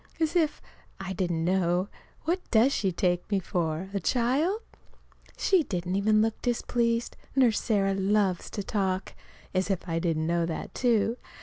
(As if I didn't know! What does she take me for a child?) She didn't even look displeased Nurse Sarah loves to talk. (As if I didn't know that, too!)